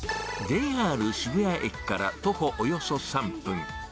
ＪＲ渋谷駅から徒歩およそ３分。